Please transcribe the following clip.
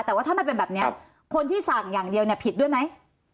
แต่ว่าถ้ามันเป็นแบบนี้คนที่สั่งอย่างเดียวเนี่ยผิดด้วยไหม